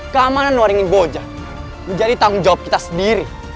keamanan waringin boja menjadi tanggung jawab kita sendiri